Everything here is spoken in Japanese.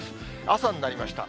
朝になりました。